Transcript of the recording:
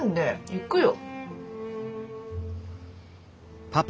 行くよ。